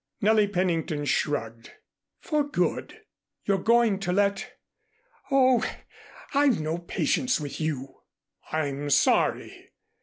Nellie Pennington shrugged. "For good? You're going to let Oh, I've no patience with you." "I'm sorry.